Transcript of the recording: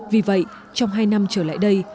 vì vậy trong hai năm trở lại đây